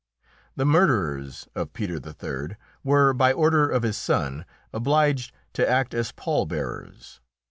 The murderers of Peter III. were, by order of his son, obliged to act as pall bearers.